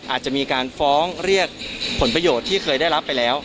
อาจจะมีการฟ้องเรียกผลประโยชน์ที่เคยได้รับไปแล้ว